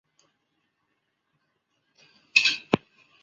所有的人和所有的行星都属于类。